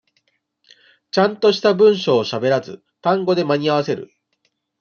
ちゃんとした文章をしゃべらず、単語で間に合わせる。